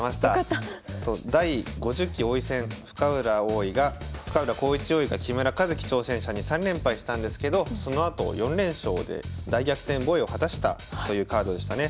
第５０期王位戦深浦康市王位が木村一基挑戦者に３連敗したんですけどそのあと４連勝で大逆転防衛を果たしたというカードでしたね。